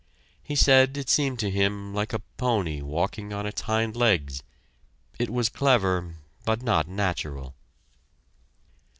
He said it seemed to him like a pony walking on its hind legs it was clever but not natural.